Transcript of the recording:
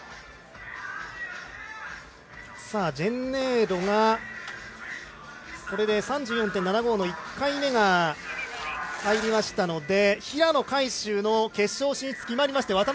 ジェンネーロがこれで３４．７５の１回目が入りましたので平野海祝の決勝進出決まりました。